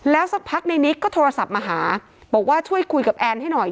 สักพักในนิกก็โทรศัพท์มาหาบอกว่าช่วยคุยกับแอนให้หน่อย